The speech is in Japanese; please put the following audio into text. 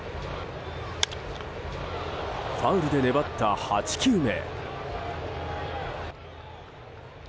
ファウルで粘った８球目。